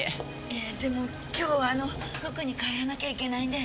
えぇでも今日あの福井に帰らなきゃいけないんで。